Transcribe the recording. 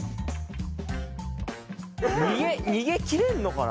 逃げきれるのかな？